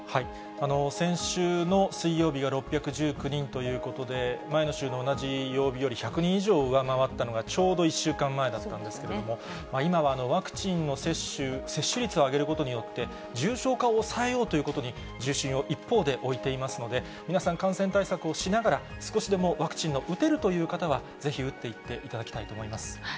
先週の水曜日が６１９人ということで、前の週の同じ曜日より１００人以上上回ったのが、ちょうど１週間前だったんですけども、今はワクチンの接種、接種率を上げることによって、重症化を抑えようということに重心を一方で置いていますので、皆さん、感染対策をしながら、少しでもワクチンの打てるという方は、ぜひ打っていっていただきたいと思います。